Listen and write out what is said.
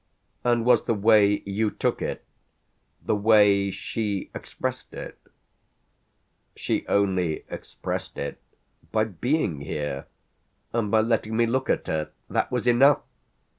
"And was the way you took it the way she expressed it?" "She only expressed it by being here and by letting me look at her. That was enough!"